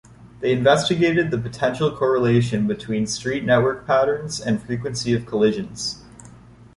They investigated the potential correlation between street network patterns and frequency of collisions.